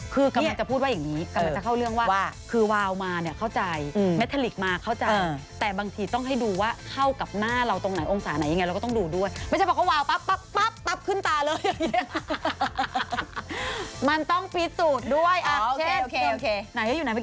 คุณผู้ชมดูนะอันนี้เนี่ย